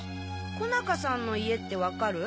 小中さんの家ってわかる？